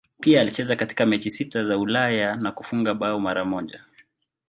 Pia alicheza katika mechi sita za Ulaya na kufunga bao mara moja.